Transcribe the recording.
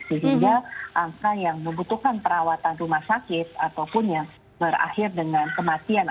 sehingga angka yang membutuhkan perawatan rumah sakit ataupun yang berakhir dengan kematian